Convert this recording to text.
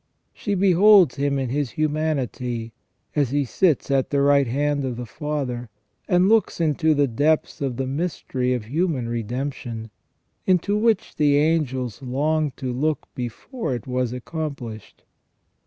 She beholds Him in His humanity, as He sits at the right hand of the Father, and looks into the depths of the mystery of human redemption, into which the angels longed to look before it was accomplished.